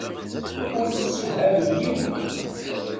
Ur tessewhamem yiwen.